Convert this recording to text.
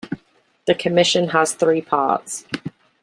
The commission has three parts.